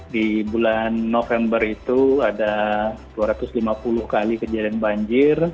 di bulan november itu ada dua ratus lima puluh kali kejadian banjir